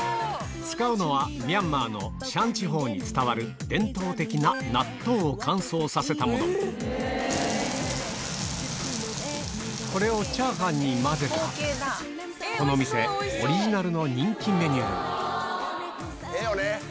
使うのはミャンマーのシャン地方に伝わる伝統的なこれをチャーハンに混ぜたこの店オリジナルの人気メニューええよね！